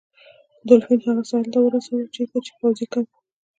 دولفین هغه ساحل ته ورساوه چیرته چې پوځي کمپ و.